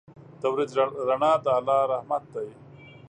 • د ورځې رڼا د الله رحمت دی.